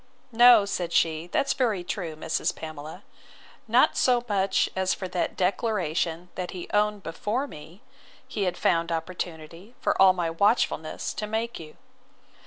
No, said she, that's very true, Mrs. Pamela; not so much as for that declaration that he owned before me, he had found opportunity, for all my watchfulness, to make you.